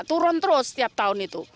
turun terus setiap tahun itu